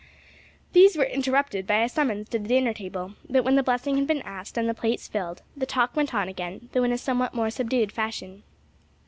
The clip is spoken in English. These were interrupted by a summons to the dinner table; but when the blessing had been asked and the plates filled, the talk went on again, though in a somewhat more subdued fashion.